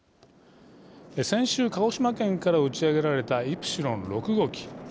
先週、鹿児島県から打ち上げられたイプシロン６号機。